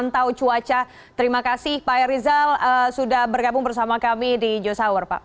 terima kasihbayvernet kita hanya juga mas